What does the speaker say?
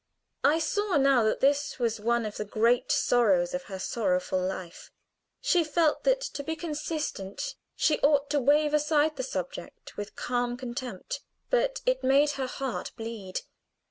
I saw now that this was one of the great sorrows of her sorrowful life. She felt that to be consistent she ought to wave aside the subject with calm contempt; but it made her heart bleed.